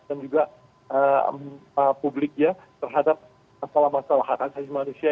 dan juga publiknya terhadap masalah masalah hak kesehatan manusia